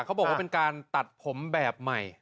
เขาบอกว่าเป็นการตัดผมแบบใหม่